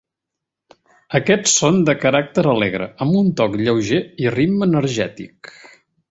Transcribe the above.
Aquestes són de caràcter alegre, amb un toc lleuger i ritme energètic.